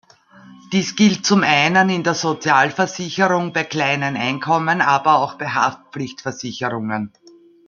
Dies gilt zum einen in der Sozialversicherung bei kleinen Einkommen aber auch bei Haftpflichtversicherungen.